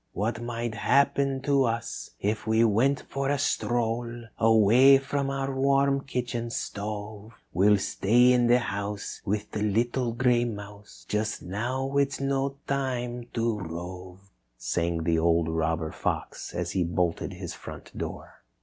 "What might happen to us if we went for a stroll Away from our warm kitchen stove. We'll stay in the house with the little gray mouse; Just now it is no time to rove," sang the old robber fox as he bolted his front door.